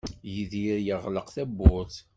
Yidir yeɣleq tawwurt.